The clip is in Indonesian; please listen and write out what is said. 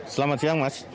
selamat siang mas